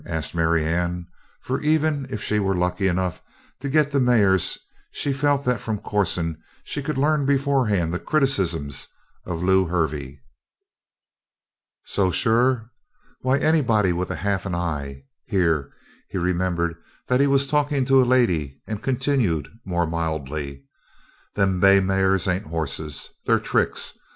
asked Marianne, for even if she were lucky enough to get the mares she felt that from Corson she could learn beforehand the criticisms of Lew Hervey. "So sure? Why anybody with half an eye " here he remembered that he was talking to a lady and continued more mildly. "Them bay mares ain't hosses they're tricks.